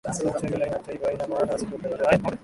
sauti yake laini hata hivyo haina maana asili upendeleo